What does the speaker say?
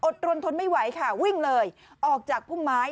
รนทนไม่ไหวค่ะวิ่งเลยออกจากพุ่มไม้